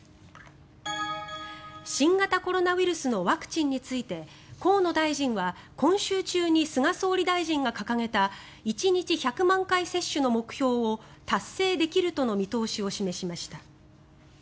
新型コロナウイルスのワクチンについて河野大臣は今週中に菅総理大臣が掲げた１日１００万回接種の目標を達成できるとの見通しを示しました。